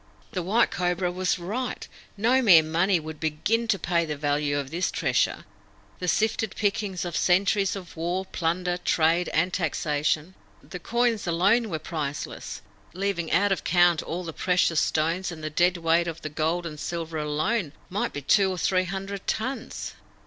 The White Cobra was right. No mere money would begin to pay the value of this treasure, the sifted pickings of centuries of war, plunder, trade, and taxation. The coins alone were priceless, leaving out of count all the precious stones; and the dead weight of the gold and silver alone might be two or three hundred tons.